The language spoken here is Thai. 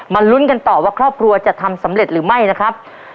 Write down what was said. ลุ้นกันต่อว่าครอบครัวจะทำสำเร็จหรือไม่นะครับ